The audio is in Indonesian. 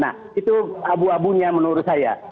nah itu abu abu nya menurut saya